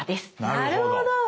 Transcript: なるほど。